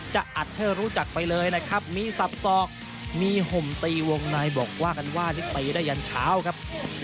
จะอัดให้รู้จักไปเลยนะครับมีสับสอกมีห่มตีวงในบอกว่ากันว่านี่ตีได้ยันเช้าครับ